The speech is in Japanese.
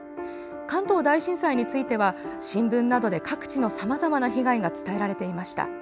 関東大震災については新聞などで各地のさまざまな被害が伝えられていました。